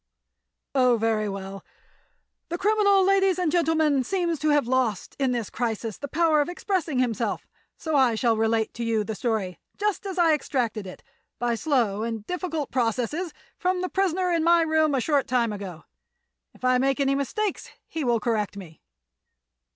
"Oh; very well. The criminal, ladies and gentlemen, seems to have lost, in this crisis, the power of expressing himself. So I shall relate to you the story, just as I extracted it—by slow and difficult processes—from the prisoner in my room, a short time ago. If I make any mistakes he will correct me."